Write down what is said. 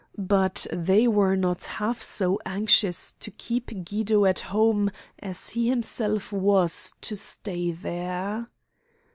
But they were not half so anxious to keep Guido at home as he himself was to stay there.